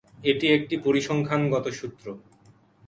এটি একটি পরিসংখ্যানগত সূত্র।